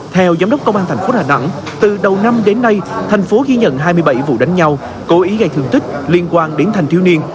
theo giám đốc công an thành phố đà nẵng từ đầu năm đến nay thành phố ghi nhận hai mươi bảy vụ đánh nhau cố ý gây thương tích liên quan đến thanh thiếu niên